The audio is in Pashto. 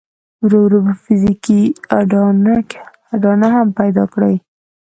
ورو ورو به فزيکي اډانه هم پيدا کړي.